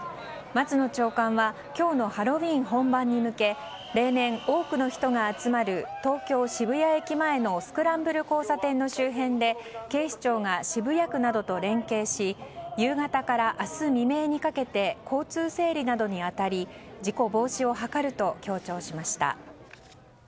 松野長官は今日のハロウィーン本番に向け例年多くの人が集まる東京・渋谷駅前のスクランブル交差点の周辺で警視庁が渋谷区などと連携し夕方から明日未明にかけて交通整理などに当たり事故防止を図ると強調しました。